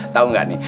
tahu nggak nih